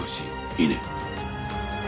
いいね？